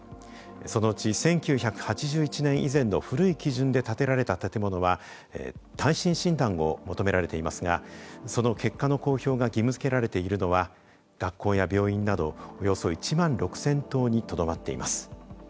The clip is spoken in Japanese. そのうち１９８１年以前の古い基準で建てられた建物は耐震診断を求められていますがその結果の公表が義務付けられているのは学校や病院などおよそ１万６０００棟にとどまっています。